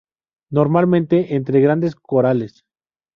Normalmente entre grandes corales.